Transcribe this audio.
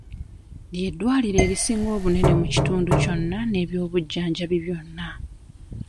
Ly'eddwaliro erisinga obunene mu kitundu kyonna n'ebyobujjanjabi byonna .